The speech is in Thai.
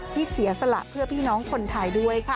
เสียสละเพื่อพี่น้องคนไทยด้วยค่ะ